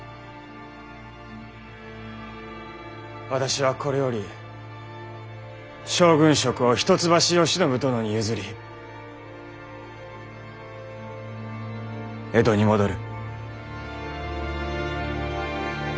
私はこれより将軍職を一橋慶喜殿に譲り江戸に戻る。